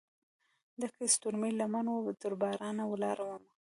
ډکه دستورومې لمن وه ترباران ولاړ مه